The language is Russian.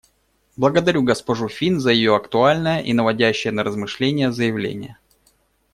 Благодарю госпожу Фин за ее актуальное и наводящее на размышления заявление.